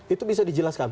itu bisa dijelaskan